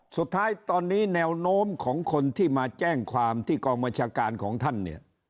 สุดท้ายตอนนี้แนวโน้มของคนที่มาแจ้งความที่กองบัญชาการของท่านเนี่ย